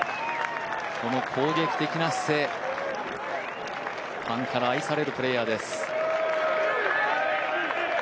この攻撃的な姿勢、ファンから愛されるプレーヤーです。